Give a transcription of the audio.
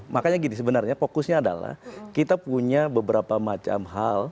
makanya gini sebenarnya fokusnya adalah kita punya beberapa macam hal